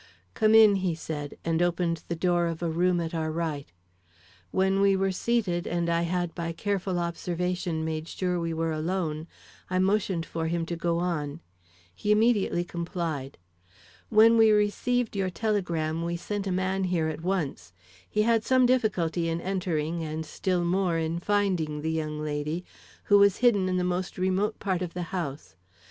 "Come in," he said, and opened the door of a room at our right. When we were seated and I had by careful observation made sure we were alone, I motioned for him to go on. He immediately complied. "When we received your telegram, we sent a man here at once. He had some difficulty in entering and still more in finding the young lady, who was hidden in the most remote part of the house.